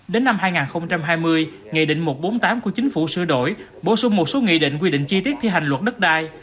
đến năm hai nghìn hai mươi nghị định một trăm bốn mươi tám của chính phủ sửa đổi bổ sung một số nghị định quy định chi tiết thi hành luật đất đai